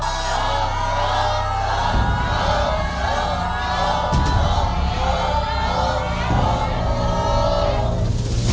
ถูก